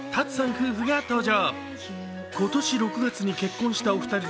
夫婦が登場。